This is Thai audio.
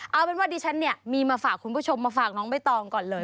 เอาเป็นว่าดิฉันเนี่ยมีมาฝากคุณผู้ชมมาฝากน้องใบตองก่อนเลย